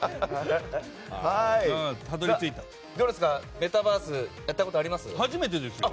メタバースやったことあります？